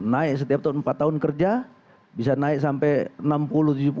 naik setiap tahun empat tahun kerja bisa naik sampai enam puluh tujuh puluh